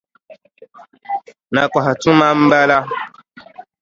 Nakɔha tuma m-bala.